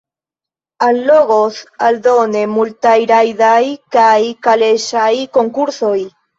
Allogos aldone multaj rajdaj kaj kaleŝaj konkursoj.